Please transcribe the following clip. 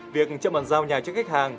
việc chậm bản giao nhà cho khách hàng